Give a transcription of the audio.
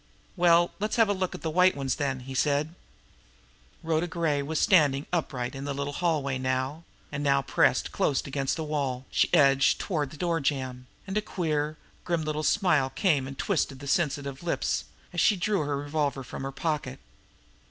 "Well, let's have a look at the white ones, then," he said. Rhoda Gray was standing upright in the little hallway now, and now, pressed close against the wall, she edged toward the door jamb. And a queer, grim little smile came and twisted the sensitive lips, as she drew her revolver from her pocket.